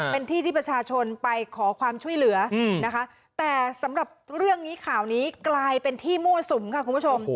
เป็นที่ที่ประชาชนไปขอความช่วยเหลือนะคะแต่สำหรับเรื่องนี้ข่าวนี้กลายเป็นที่มั่วสุมค่ะคุณผู้ชม